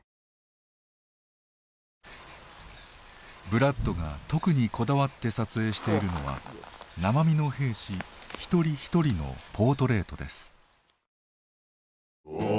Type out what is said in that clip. ブラッドが特にこだわって撮影しているのは生身の兵士一人一人のポートレートです。